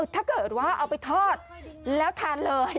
ถ้าเกิดว่าเอาไปทอดแล้วทานเลย